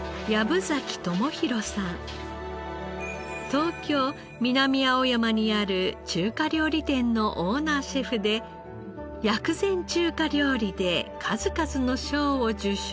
東京南青山にある中華料理店のオーナーシェフで薬膳中華料理で数々の賞を受賞。